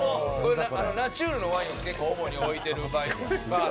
ナチュールのワインを結構、主に置いているお店。